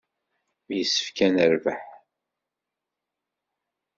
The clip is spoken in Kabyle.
Yessefk ad nerbeḥ.